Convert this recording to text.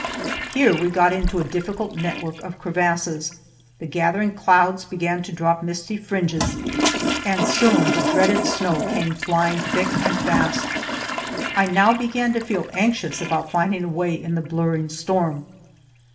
Here we got into a difficult network of crevasses, the gathering clouds began to drop misty fringes, and soon the dreaded snow came flying thick and fast. I now began to feel anxious about finding a way in the blurring storm.